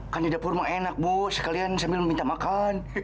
kan di dapur mah enak bu sekalian sambil meminta makan